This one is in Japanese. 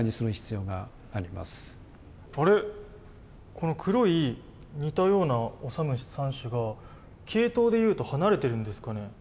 この黒い似たようなオサムシ３種が系統で言うと離れているんですかね？